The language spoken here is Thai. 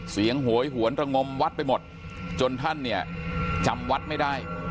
โหยหวนระงมวัดไปหมดจนท่านเนี่ยจำวัดไม่ได้